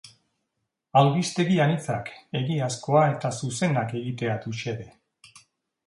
Albistegi anitzak, egiazkoa eta zuzenak egitea dute xede.